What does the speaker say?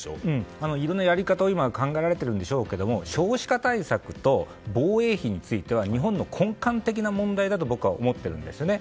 いろんなやり方を今考えられてるんでしょうけど少子化対策と防衛費については日本の根幹的な問題だと僕は思っているんです。